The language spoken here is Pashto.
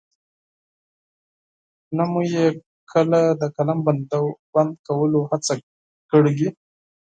نه مو يې کله د قلم بند کولو هڅه کړې.